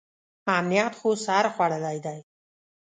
امنیت خو سر خوړلی دی.